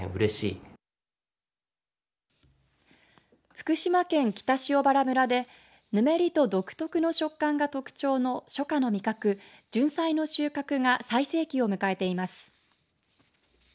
福島県北塩原村でぬめりと独特の食感が特徴の初夏の味覚、ジュンサイの収穫が最盛期を迎えています。